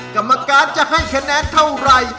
กรรมการจะให้คะแนนเท่าไหร่